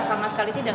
sama sekali tidak